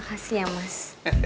makasih ya mas